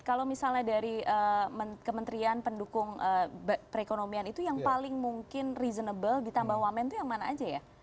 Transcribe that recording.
kalau misalnya dari kementerian pendukung perekonomian itu yang paling mungkin reasonable ditambah wamen itu yang mana aja ya